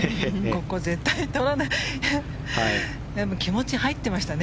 ここ、絶対取らないと。